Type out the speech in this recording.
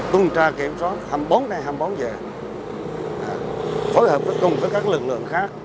tuần tra kiểm soát hai mươi bốn ngày hai mươi bốn giờ phối hợp với các lực lượng khác